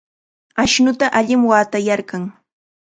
Ashnuta allim watayarqan.